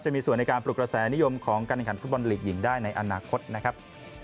จะมีส่วนในการปรุกระแสนิยมของการการฟุตบอลหญิงได้ในอนาคตนะครับ